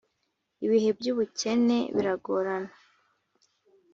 ibihe by ubukene biragorana